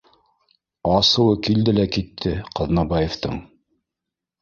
Асыуы килде лә китте Ҡаҙнабаевтың: